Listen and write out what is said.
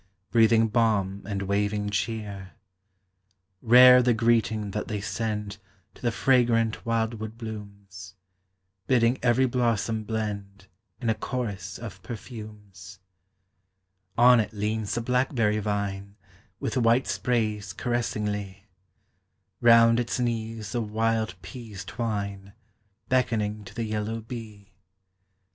Breathing balm and waving cheer; Rare the greeting that they send To the fragrant wildwood blooms, Bidding every blossom blend In a chorus of perfumes. On it leans the blackberry vine, With white sprays caressingly; Round its knees the wild peas twine, Beckoning to the yellow bee; TREES: FLOWERS: PLANTS.